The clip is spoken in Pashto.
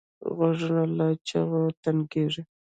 غوږونه له چغو تنګېږي